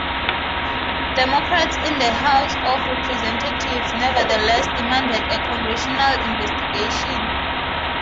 Democrats in the House of Representatives nevertheless demanded a Congressional investigation.